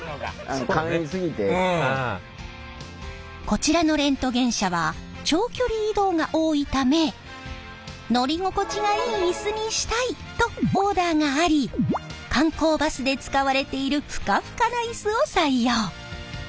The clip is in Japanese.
こちらのレントゲン車は長距離移動が多いため乗り心地がいいイスにしたいとオーダーがあり観光バスで使われているふかふかなイスを採用。